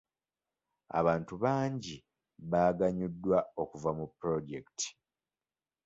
Abantu bangi baaganyuddwa okuva mu pulojekiti.